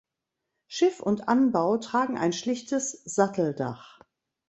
Schiff und Anbau tragen ein schlichtes Satteldach.